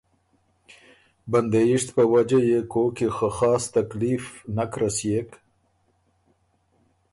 بندېئِشت په وجه يې کوک کی خاص تکلیف خه نک رسيېک۔